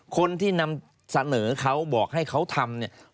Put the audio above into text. คนที่นำเสนอเขาบอกให้เขาทำเนี่ย